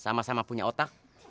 sama sama punya otak